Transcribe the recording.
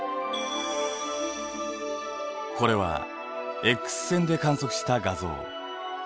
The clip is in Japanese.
これはＸ線で観測した画像。